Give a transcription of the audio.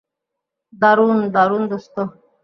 দারুণ, দারুণ, দোস্ত।